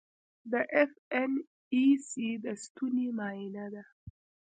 د ایف این ای سي د ستنې معاینه ده.